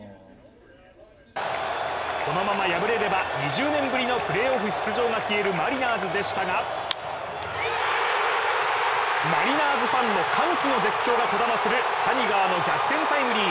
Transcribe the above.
このまま破れれば２０年ぶりのプレーオフ出場が消えるマリナーズでしたがマリナーズファンの歓喜の絶叫がこだまする、ハニガーの逆転タイムリー。